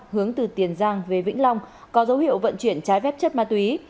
hướng từ tiền giang về vĩnh long có dấu hiệu vận chuyển trái phép chất ma túy